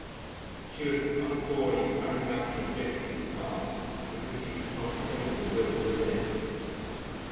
She was perfunctorily carrying out an objectionable task because she could not kill the will to live.